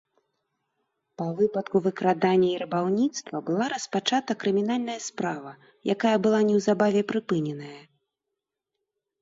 Па выпадку выкрадання і рабаўніцтва была распачата крымінальная справа, якая была неўзабаве прыпыненая.